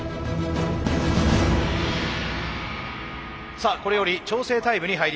さあこれより調整タイムに入ります。